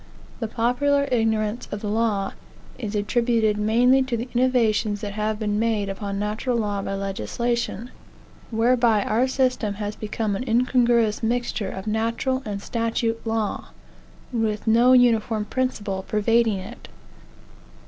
The popular ignorance of law is attributable mainly to the innovations that have been made upon natural law by legislation; whereby our system has become an incongruous mixture of natural and statute law, with no uniform principle pervading it.